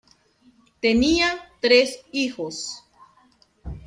Tenía tres hijos.